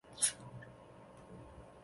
体现党中央最新精神